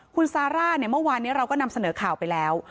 คุณซาร่าเมื่อวานเราก็นำเสนอข่าวไปแล้ว